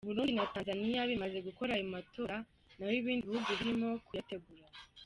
U Burundi na Tanzania bimaze gukora ayo matora, naho ibindi bihugu birimo kuyategura.